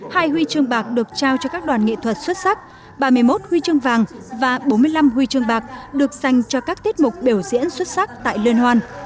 hai huy chương bạc được trao cho các đoàn nghệ thuật xuất sắc ba mươi một huy chương vàng và bốn mươi năm huy chương bạc được dành cho các tiết mục biểu diễn xuất sắc tại liên hoan